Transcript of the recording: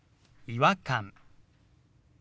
「違和感」。